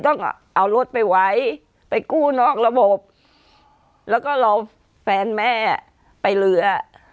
ต้องเอารถไปไว้ไปกู้นอกระบบแล้วก็เราแฟนแม่ไปเรือ